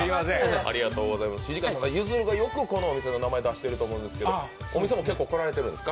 土片さん、ゆずるがよくこのお店の名前出してると思うんですけど、お店も結構来られてるんですか？